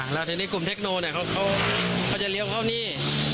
แล้วทีนี้กลุ่มเทคโนเนี่ยเขาจะเลี้ยวเข้านี่